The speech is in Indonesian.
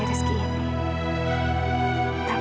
duri sekarang samat right